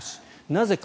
なぜか。